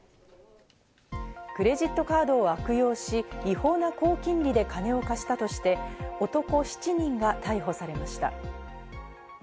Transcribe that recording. クレジットカードを悪用し、違法な高金利で金を貸したとして男７人が逮捕されました。